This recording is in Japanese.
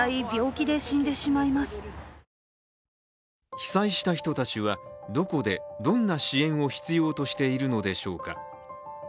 被災した人たちはどこで、どんな支援を必要としているのでしょうか。